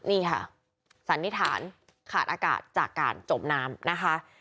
นี่ค่ะสันนิษฐานขาดอากาศจากการจมน้ำนะคะ